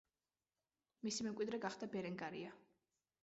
მისი მემკვიდრე გახდა ბერენგარია.